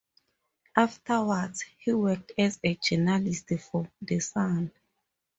Afterwards, he worked as a journalist for "The Sun".